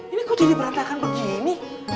ini kok jadi berantakan begini